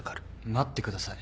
待ってください。